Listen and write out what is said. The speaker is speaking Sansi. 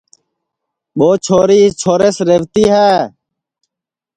ٻو چھوری اُس چھوریس ریہوَتی ہے